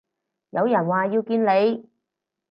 有人話要見你